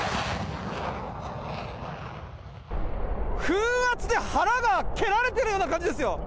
風圧で腹が蹴られてるような感じですよ。